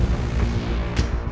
masih aman kok